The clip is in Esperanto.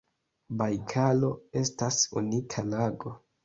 Bajkalo estas unika lago.